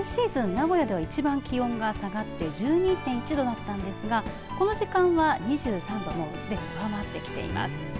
名古屋では一番気温が下がって１２．１度だったんですがこの時間は２３度をすでに上回ってきています。